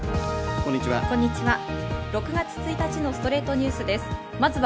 こんにちは。